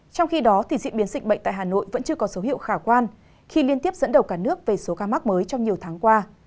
trong khi đó thì diễn biến dịch bệnh tại hà nội vẫn chưa có số hiệu khả quan khi liên tiếp dẫn đầu cả nước về số ca mắc mới trong nhiều tháng qua